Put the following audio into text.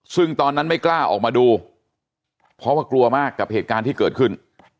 ซึ่งตอนนั้นไม่กล้าออกมาดูเพราะว่ากลัวมากกับเหตุการณ์ที่เกิดขึ้น